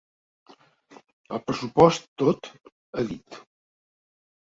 El pressupost, tot, ha dit.